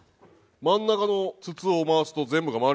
真ん中の筒を回すと全部が回りますね。